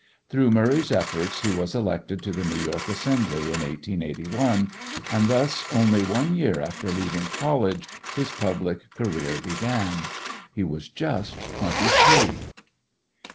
Through Murray's efforts he was elected to the New York Assembly in 1881, and thus only one year after leaving college his public career began. He was just twenty three.